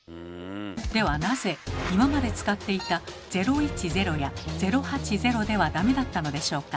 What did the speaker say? ではなぜ今まで使っていた「０１０」や「０８０」ではダメだったのでしょうか。